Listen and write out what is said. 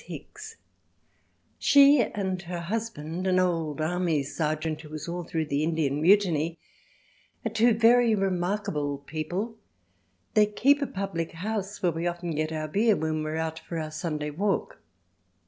Hicks She and her husband, an old army sergeant who was all through the Indian Mutiny, are two very remarkable people; they keep a public house where we often get our beer when out for our Sunday walk.